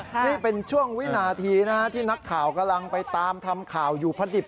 นี่เป็นช่วงวินาทีนะฮะที่นักข่าวกำลังไปตามทำข่าวอยู่พอดิบ